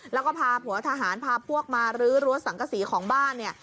แล้วก็พาผัวทหารพาพวกมารื้อรั้วสังกษีของบ้านเนี่ย